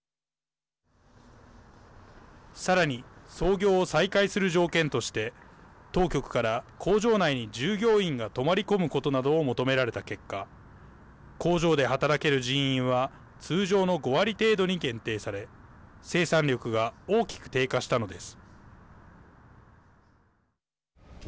さらに操業を再開する条件として当局から工場内に従業員が泊まり込むことなどを求められた結果工場で働ける人員は通常の５割程度に限定され生産力が大きく低下したのです。